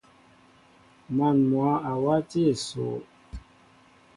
Man mwă a wati esoo.